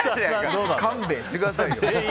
勘弁してくださいよ。